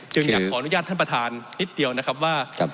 อยากขออนุญาตท่านประธานนิดเดียวนะครับว่า